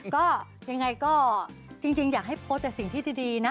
ก็ยังไงก็จริงอยากให้โพสต์แต่สิ่งที่ดีนะ